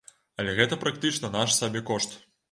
Але гэта практычна наш сабекошт.